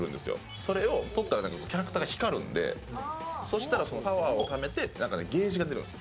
それをとるとキャラクターが光るので、それでパワーをためてゲージが出るんです。